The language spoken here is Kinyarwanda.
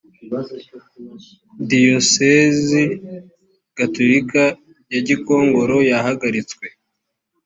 diyosezi gatulika ya gikongoro yahagaritswe